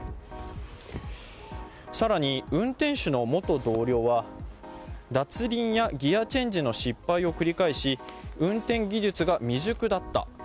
更に、運転手の元同僚は脱輪やギアチェンジの失敗を繰り返し運転技術が未熟だった。